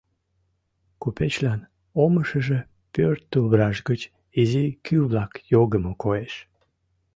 Купечлан омешыже пӧрт тувраш гыч изи кӱ-влак йогымо коеш.